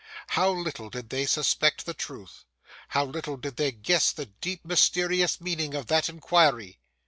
How little did they suspect the truth! How little did they guess the deep mysterious meaning of that inquiry!